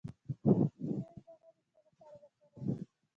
د هل دانه د څه لپاره وکاروم؟